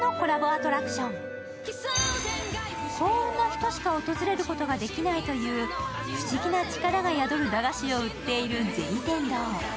アトラクション幸運な人しか訪れることができないという不思議な力が宿る駄菓子を売っている銭天堂。